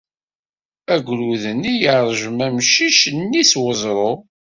Agrud-nni yeṛjem amcic-nni s weẓru.